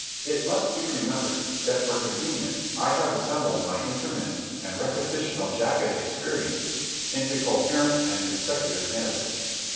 It must be remembered that for convenience I have assembled my intermittent and repetitional jacket experiences into coherent and consecutive narratives.